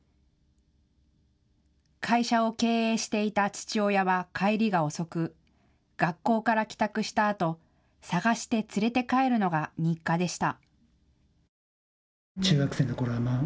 会社を経営していた父親は帰りが遅く、学校から帰宅したあと、捜して連れて帰るのが日課でした。